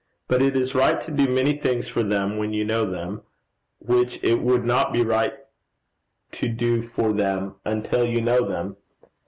But it is right to do many things for them when you know them, which it would not be right to do for them until you know them.